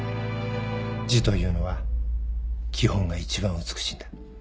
字というのは基本が一番美しいんだ。